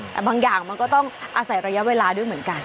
แต่บางอย่างมันก็ต้องอาศัยระยะเวลาด้วยเหมือนกัน